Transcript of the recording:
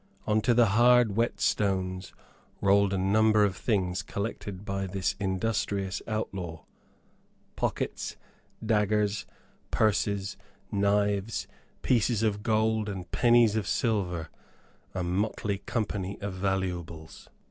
On to the hard wet stones rolled a number of things collected by this industrious outlaw pockets, daggers, purses, knives, pieces of gold, and pennies of silver, a motley company of valuables.